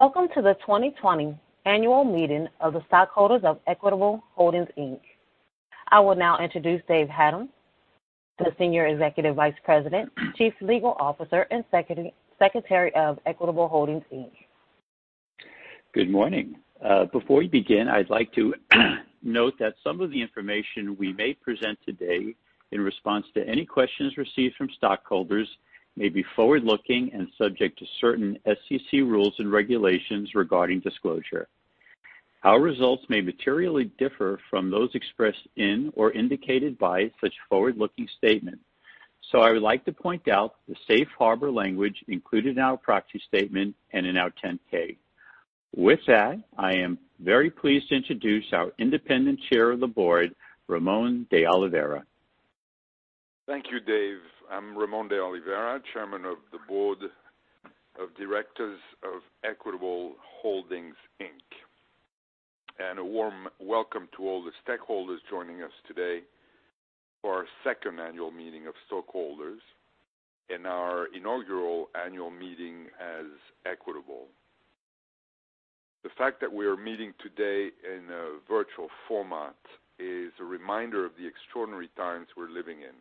Welcome to the 2020 annual meeting of the stockholders of Equitable Holdings, Inc. I will now introduce Dave Hattem, the Senior Executive Vice President, Chief Legal Officer, and Secretary of Equitable Holdings, Inc. Good morning. Before we begin, I'd like to note that some of the information we may present today in response to any questions received from stockholders may be forward-looking and subject to certain SEC rules and regulations regarding disclosure. Our results may materially differ from those expressed in or indicated by such forward-looking statements. I would like to point out the safe harbor language included in our proxy statement and in our 10-K. With that, I am very pleased to introduce our Independent Chair of the Board, Ramon de Oliveira. Thank you, Dave. I'm Ramon de Oliveira, Chairman of the Board of Directors of Equitable Holdings, Inc. A warm welcome to all the stakeholders joining us today for our second annual meeting of stockholders and our inaugural annual meeting as Equitable. The fact that we are meeting today in a virtual format is a reminder of the extraordinary times we're living in,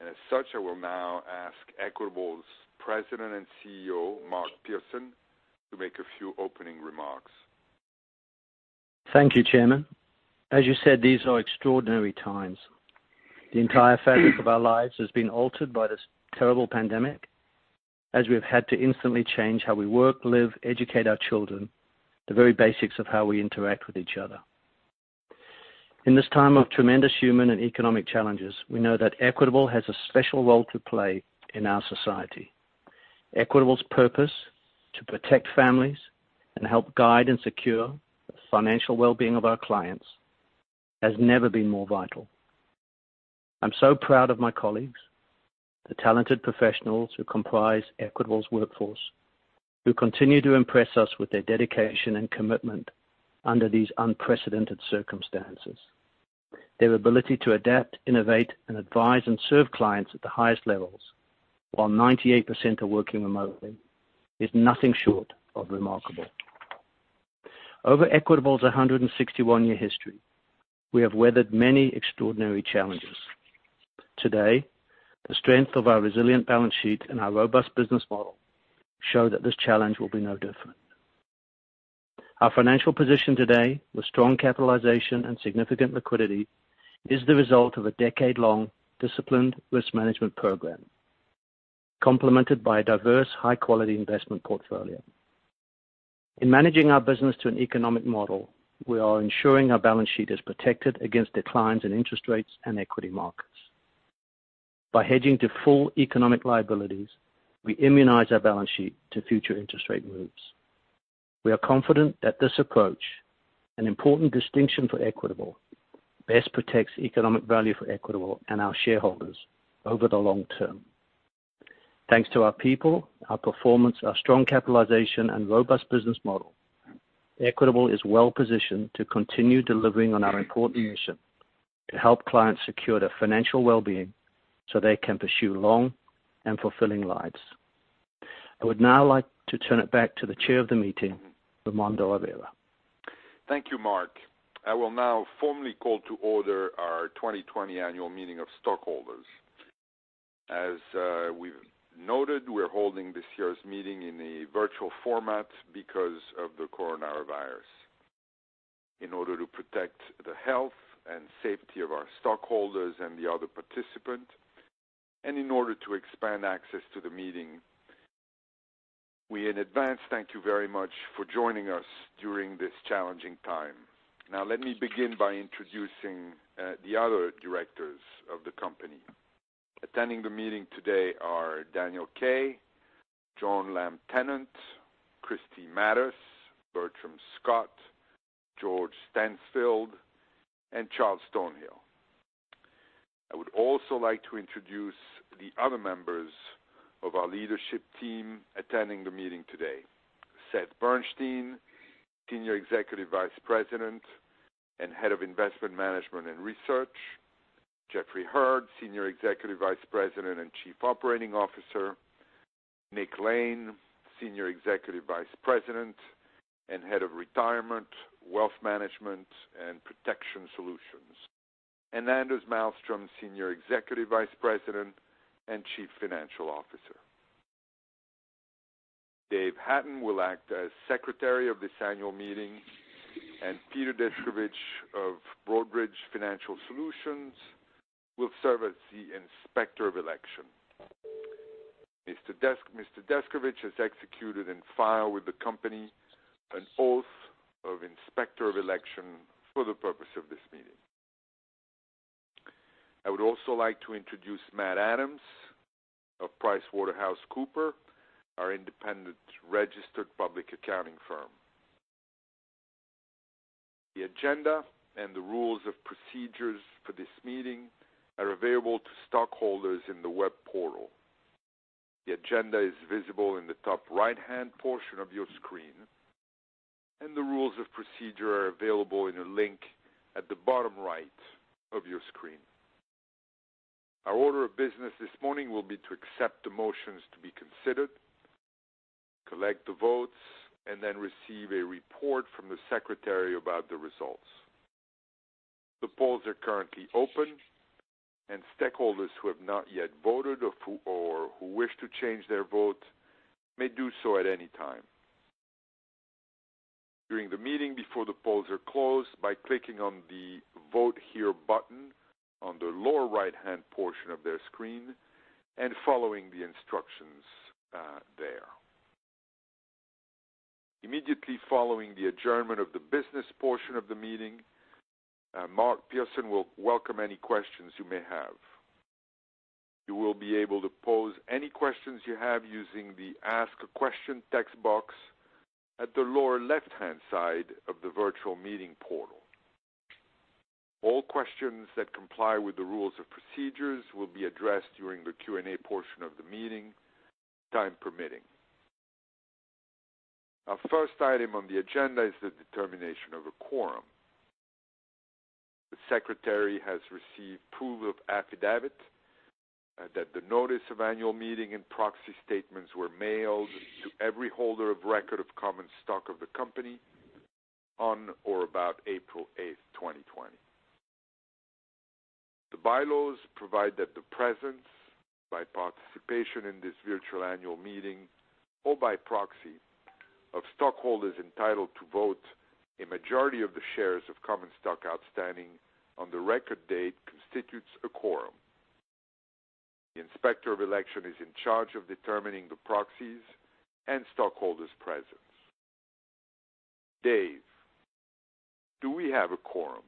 and as such, I will now ask Equitable's President and CEO, Mark Pearson, to make a few opening remarks. Thank you, Chairman. As you said, these are extraordinary times. The entire fabric of our lives has been altered by this terrible pandemic, as we've had to instantly change how we work, live, educate our children, the very basics of how we interact with each other. In this time of tremendous human and economic challenges, we know that Equitable has a special role to play in our society. Equitable's purpose, to protect families and help guide and secure the financial well-being of our clients, has never been more vital. I'm so proud of my colleagues, the talented professionals who comprise Equitable's workforce, who continue to impress us with their dedication and commitment under these unprecedented circumstances. Their ability to adapt, innovate, and advise and serve clients at the highest levels while 98% are working remotely is nothing short of remarkable. Over Equitable's 161 year history, we have weathered many extraordinary challenges. Today, the strength of our resilient balance sheet and our robust business model show that this challenge will be no different. Our financial position today, with strong capitalization and significant liquidity, is the result of a decade-long disciplined risk management program complemented by a diverse, high-quality investment portfolio. In managing our business to an economic model, we are ensuring our balance sheet is protected against declines in interest rates and equity markets. By hedging to full economic liabilities, we immunize our balance sheet to future interest rate moves. We are confident that this approach, an important distinction for Equitable, best protects economic value for Equitable and our shareholders over the long term. Thanks to our people, our performance, our strong capitalization, and robust business model, Equitable is well positioned to continue delivering on our important mission to help clients secure their financial well-being so they can pursue long and fulfilling lives. I would now like to turn it back to the chair of the meeting, Ramon de Oliveira. Thank you, Mark. I will now formally call to order our 2020 annual meeting of stockholders. As we've noted, we're holding this year's meeting in a virtual format because of the coronavirus in order to protect the health and safety of our stockholders and the other participants and in order to expand access to the meeting. We in advance thank you very much for joining us during this challenging time. Let me begin by introducing the other directors of the company. Attending the meeting today are Daniel Kaye, Joan Lamm-Tennant, Kristi Matus, Bertram Scott, George Stansfield, and Charles Stonehill. I would also like to introduce the other members of our leadership team attending the meeting today. Seth Bernstein, Senior Executive Vice President and Head of Investment Management and Research. Jeffrey Hurd, Senior Executive Vice President and Chief Operating Officer. Nick Lane, Senior Executive Vice President and Head of Retirement, Wealth Management, and Protection Solutions. Anders Malmström, Senior Executive Vice President and Chief Financial Officer. Dave Hattem will act as secretary of this annual meeting, and Peter Descovich of Broadridge Financial Solutions will serve as the inspector of election. Mr. Descovich has executed and filed with the company an oath of inspector of election for the purpose of this meeting. I would also like to introduce Matthew Adams of PricewaterhouseCoopers, our independent registered public accounting firm. The agenda and the rules of procedures for this meeting are available to stockholders in the web portal. The agenda is visible in the top right-hand portion of your screen. The rules of procedure are available in a link at the bottom right of your screen. Our order of business this morning will be to accept the motions to be considered, collect the votes, and then receive a report from the secretary about the results. The polls are currently open. Stakeholders who have not yet voted or who wish to change their vote may do so at any time during the meeting before the polls are closed by clicking on the Vote Here button on the lower right-hand portion of their screen and following the instructions there. Immediately following the adjournment of the business portion of the meeting, Mark Pearson will welcome any questions you may have. You will be able to pose any questions you have using the Ask a Question text box at the lower left-hand side of the virtual meeting portal. All questions that comply with the rules of procedures will be addressed during the Q&A portion of the meeting, time permitting. Our first item on the agenda is the determination of a quorum. The secretary has received proof of affidavit that the notice of annual meeting and proxy statements were mailed to every holder of record of common stock of the company on or about April 8, 2020. The bylaws provide that the presence, by participation in this virtual annual meeting or by proxy of stockholders entitled to vote, a majority of the shares of common stock outstanding on the record date constitutes a quorum. The Inspector of Election is in charge of determining the proxies and stockholders' presence. Dave, do we have a quorum?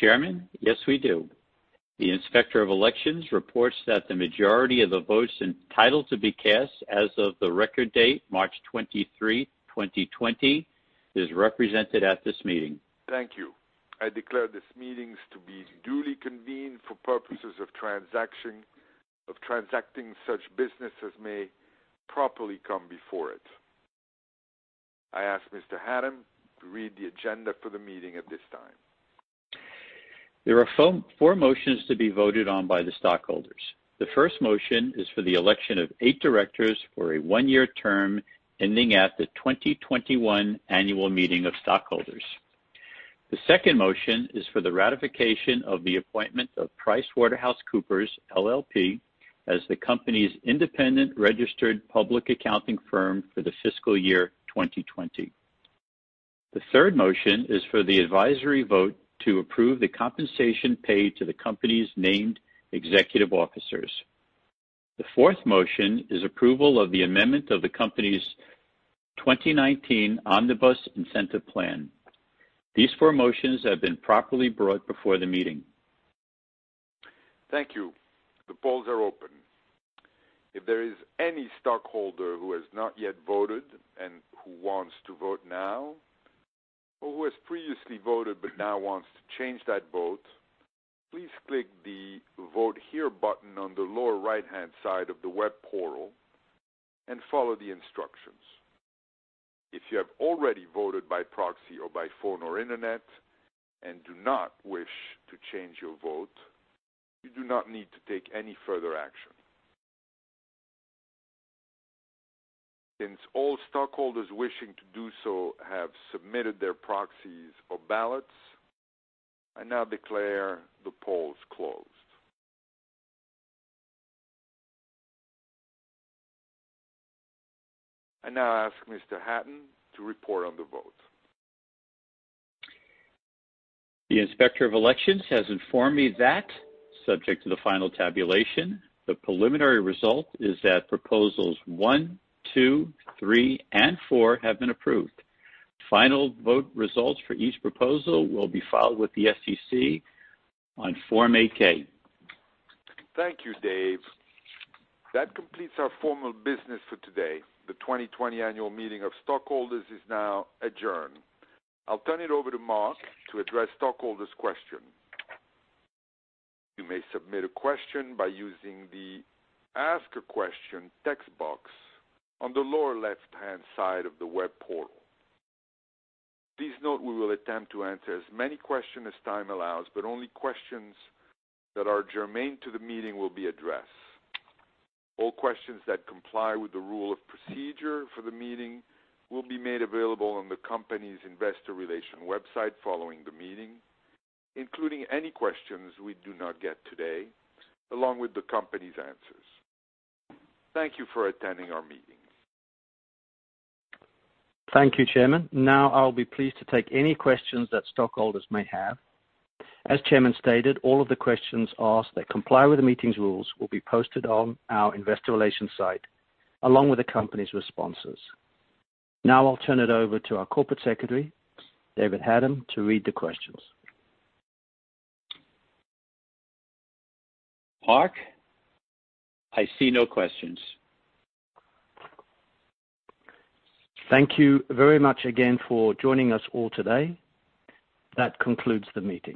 Chairman, yes, we do. The Inspector of Election reports that the majority of the votes entitled to be cast as of the record date, March 23, 2020, is represented at this meeting. Thank you. I declare these meetings to be duly convened for purposes of transacting such business as may properly come before it. I ask Mr. Hattem to read the agenda for the meeting at this time. There are four motions to be voted on by the stockholders. The first motion is for the election of eight directors for a one-year term ending at the 2021 annual meeting of stockholders. The second motion is for the ratification of the appointment of PricewaterhouseCoopers LLP as the company's independent registered public accounting firm for the fiscal year 2020. The third motion is for the advisory vote to approve the compensation paid to the company's named executive officers. The fourth motion is approval of the amendment of the company's 2019 Omnibus Incentive Plan. These four motions have been properly brought before the meeting. Thank you. The polls are open. If there is any stockholder who has not yet voted and who wants to vote now, or who has previously voted but now wants to change that vote, please click the Vote Here button on the lower right-hand side of the web portal and follow the instructions. If you have already voted by proxy or by phone or internet and do not wish to change your vote, you do not need to take any further action. All stockholders wishing to do so have submitted their proxies or ballots, I now declare the polls closed. I now ask Mr. Hattem to report on the vote. The Inspector of Elections has informed me that subject to the final tabulation, the preliminary result is that proposals one, two, three, and four have been approved. Final vote results for each proposal will be filed with the SEC on Form 8-K. Thank you, Dave. That completes our formal business for today. The 2020 annual meeting of stockholders is now adjourned. I'll turn it over to Mark to address stockholders' questions. You may submit a question by using the Ask a Question text box on the lower left-hand side of the web portal. Please note we will attempt to answer as many questions as time allows, but only questions that are germane to the meeting will be addressed. All questions that comply with the rule of procedure for the meeting will be made available on the company's investor relations website following the meeting, including any questions we do not get today, along with the company's answers. Thank you for attending our meeting. Thank you, Chairman. I'll be pleased to take any questions that stockholders may have. As Chairman stated, all of the questions asked that comply with the meeting's rules will be posted on our investor relations site along with the company's responses. I'll turn it over to our corporate secretary, Dave Hattem, to read the questions. Mark, I see no questions. Thank you very much again for joining us all today. That concludes the meeting.